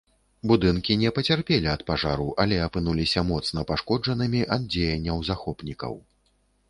Будынкі не пацярпелі ад пажару, але апынуліся моцна пашкоджанымі ад дзеянняў захопнікаў.